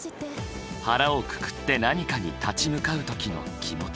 腹をくくって何かに立ち向かう時の気持ち。